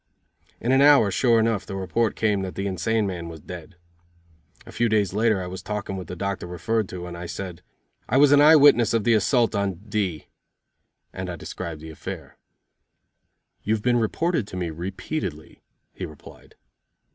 In an hour, sure enough, the report came that the insane man was dead. A few days later I was talking with the doctor referred to and I said: "I was an eye witness of the assault on D ." And I described the affair. "You have been reported to me repeatedly," he replied.